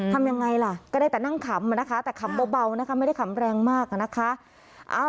ทำยังไงล่ะก็ได้แต่นั่งขำนะคะแต่ขำเบานะคะไม่ได้ขำแรงมากนะคะ